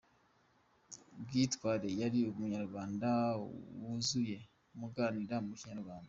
Bwitare : Yari umunyarwanda wuzuye, muganira mu kinyarwanda.